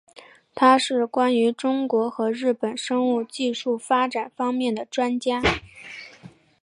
他是关于中国和日本生物技术发展方面的专家。